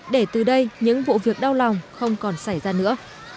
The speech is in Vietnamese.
để từ đây những vụ việc đau lòng không còn xảy ra nữa